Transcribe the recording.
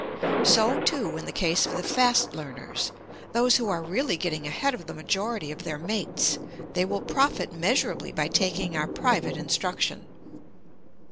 So, too, in the case of the fast learners, those who are really getting ahead of the majority of their mates; they will profit measurably by taking our private instruction.